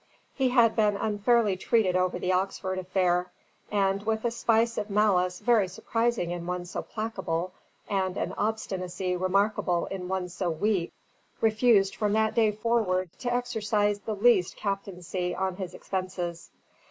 He had been unfairly treated over the Oxford affair; and with a spice of malice very surprising in one so placable, and an obstinacy remarkable in one so weak, refused from that day forward to exercise the least captaincy on his expenses.